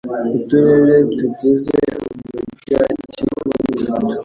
uturere tugize umujyi wa kigali ni dutatu